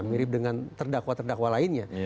mirip dengan terdakwa terdakwa lainnya